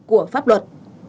của pháp luật